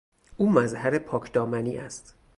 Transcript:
او مظهر پاکدامنی است.